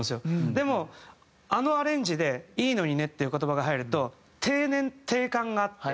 でもあのアレンジで「いいのにね」っていう言葉が入ると諦念諦観があって。